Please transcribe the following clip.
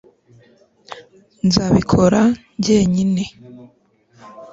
nzabikora njyenyine